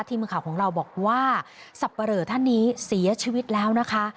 ทีมข่าวของเราบอกว่าสับปะเหลอท่านนี้เสียชีวิตแล้วนะคะ